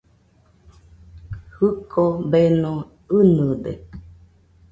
Jɨko beno ɨnɨde.